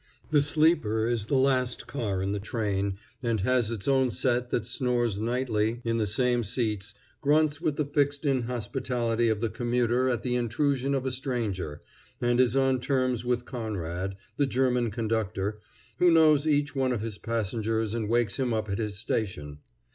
The sleeper is the last car in the train, and has its own set that snores nightly in the same seats, grunts with the fixed inhospitality of the commuter at the intrusion of a stranger, and is on terms with Conrad, the German conductor, who knows each one of his passengers and wakes him up at his station.